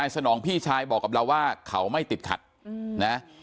สนองพี่ชายบอกกับเราว่าเขาไม่ติดขัดนะ